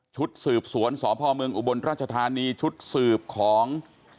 ชุดสืบสวนสพเมืองอุบลราชธานีชุดสืบของ